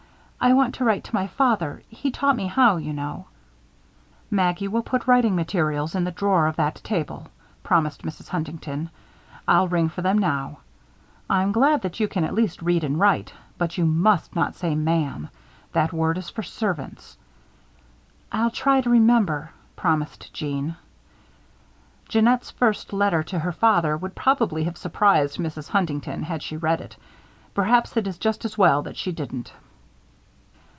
I want to write to my father he taught me how, you know." "Maggie will put writing materials in the drawer of that table," promised Mrs. Huntington. "I'll ring for them now. I'm glad that you can at least read and write; but you must not say 'Ma'am.' That word is for servants." "I'll try to remember," promised Jeanne. Jeannette's first letter to her father would probably have surprised Mrs. Huntington had she read it. Perhaps it is just as well that she didn't.